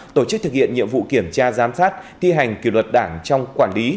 tổ chức thực hiện nhiệm vụ kiểm tra giám sát thi hành kỷ luật đảng trong quản lý